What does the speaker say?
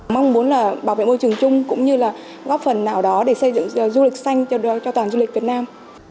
mong muốn là bảo vệ môi trường chung cũng như là góp phần nào đó để xây dựng du lịch xanh cho toàn du lịch việt nam